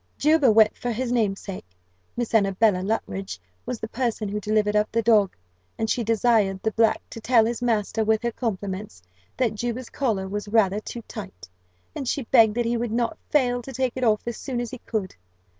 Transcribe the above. Juba went for his namesake. Miss Annabella Luttridge was the person who delivered up the dog; and she desired the black to tell his master, with her compliments, that Juba's collar was rather too tight; and she begged that he would not fail to take it off as soon as he could.